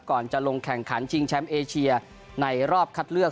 ก่อนจะลงแข่งขันชิงแชมป์เอเชียในรอบคัดเลือก